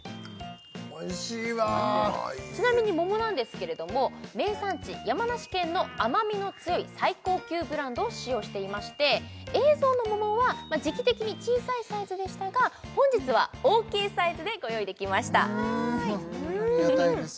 おいしいわうまいちなみに桃なんですけれども名産地山梨県の甘みの強い最高級ブランドを使用していまして映像の桃は時期的に小さいサイズでしたが本日は大きいサイズでご用意できましたありがたいです